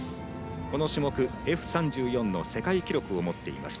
この種目、Ｆ３４の世界記録を持っています。